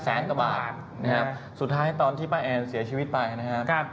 แสนกว่าบาทนะครับสุดท้ายตอนที่ป้าแอนเสียชีวิตไปนะครับ